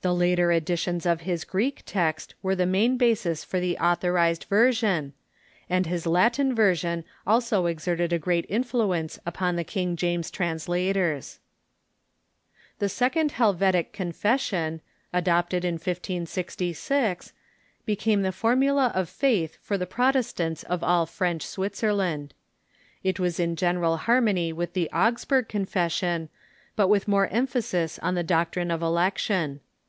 The later editions of his Greek text were the main basis for the Authorized Version, and his Latin version also exerted a great influence upon the King James translators. The second Helvetic Confession, adopted in 1566, became the formula of faith for the Protestants of all French Switzerland. It was in general harmony with the Augsburg Confession*''^ Confession, but with more emphasis on the doc trine of election.